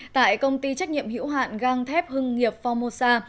tại công ty trách nhiệm hữu hạn gang thép hưng nghiệp formosa